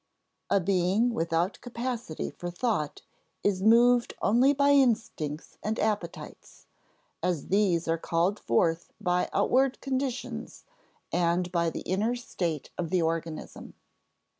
A being without capacity for thought is moved only by instincts and appetites, as these are called forth by outward conditions and by the inner state of the organism.